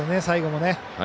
最後もね。